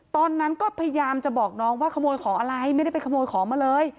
ตอนนั้นก็พยายามจะบอกน้องว่าขโมยของอะไรไม่ได้ไปขโมยของมาเลย